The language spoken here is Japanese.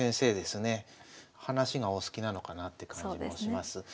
話がお好きなのかなって感じもします。